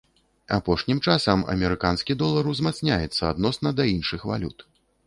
Апошнім часам амерыканскі долар узмацняецца адносна да іншых валют.